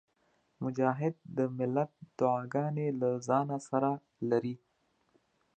مجاهد د ملت دعاګانې له ځانه سره لري.